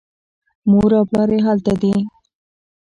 مور او پلار یې هلته دي.